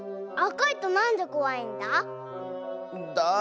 あかいとなんでこわいんだ？